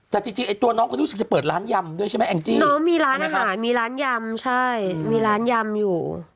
แต่จริงไอ้ตัวน้องก็รู้สึกจะเปิดร้านยำด้วยใช่ไหมแองจี้น้องมีร้านอาหารมีร้านยำใช่มีร้านยำอยู่